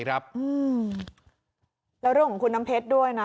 แล้วเรื่องของคุณน้ำเพชรด้วยนะ